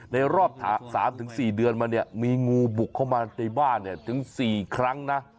ในรอบสามถึงสี่เดือนมาเนี่ยมีงูบุกเข้ามาในบ้านถึงสี่ครั้งนะ